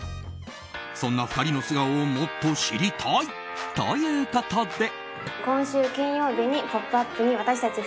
そんな２人の素顔をもっと知りたい！ということで。